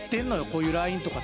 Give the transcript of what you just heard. こういうラインとかさ